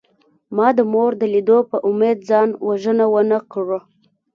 ما د مور د لیدو په امید ځان وژنه ونکړه